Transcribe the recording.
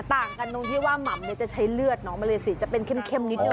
ต่างกันตรงที่ว่ามัมเนี้ยจะใช้เลือดเนอะมันเลยสิจะเป็นเข้มเข้มนิดหน่อยครับ